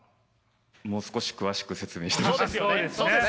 もう少し詳しく説明してほしいです。